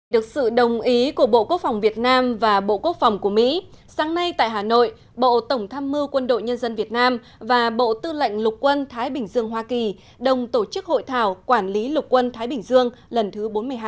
được sự đồng ý của bộ quốc phòng việt nam và bộ quốc phòng của mỹ sáng nay tại hà nội bộ tổng tham mưu quân đội nhân dân việt nam và bộ tư lệnh lục quân thái bình dương hoa kỳ đồng tổ chức hội thảo quản lý lục quân thái bình dương lần thứ bốn mươi hai